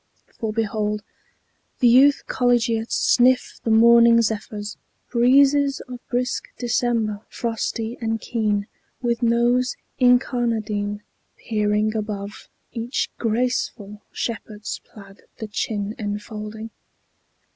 For behold The youth collegiate sniff the morning zephyrs, Breezes of brisk December, frosty and keen, With nose incarnadine, peering above Each graceful shepherd's plaid the chin enfolding.